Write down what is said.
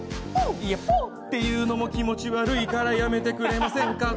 いや、ポーっていうのも気持ち悪いからやめてくれませんか。